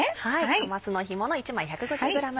かますの干もの１枚１５０ｇ。